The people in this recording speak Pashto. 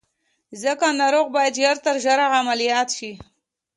ځکه ناروغ بايد ژر تر ژره عمليات شي.